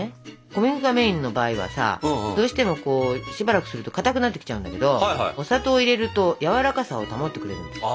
小麦粉がメインの場合はさどうしてもしばらくするとかたくなってきちゃうんだけどお砂糖を入れるとやわらかさを保ってくれるんです。